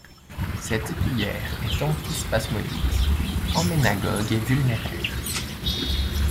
Cette Épiaire est antispasmodique, emménagogue et vulnéraire.